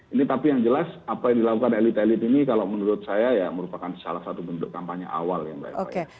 ini tapi yang jelas apa yang dilakukan elit elit ini kalau menurut saya ya merupakan salah satu bentuk kampanye awal ya mbak eva